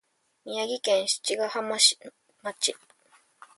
宮城県七ヶ浜町